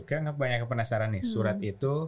kenapa banyak yang penasaran nih surat itu